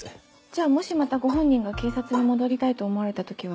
じゃあもしまたご本人が警察に戻りたいと思われた時は。